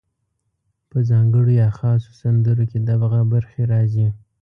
په ځانګړو یا خاصو سندرو کې دغه برخې راځي: